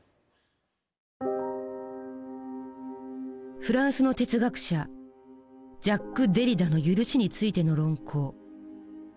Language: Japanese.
フランスの哲学者ジャック・デリダの「赦し」についての論考。